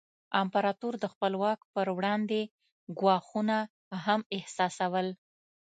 امپراتور د خپل واک پر وړاندې ګواښونه هم احساسول.